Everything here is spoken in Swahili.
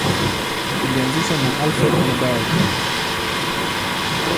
Ilianzishwa na Alfred Nobel.